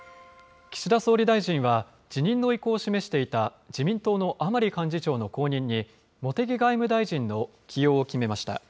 岸田総理大臣は、辞任の意向を示していた自民党の甘利幹事長の後任に、茂木外務大臣の起用を決めました。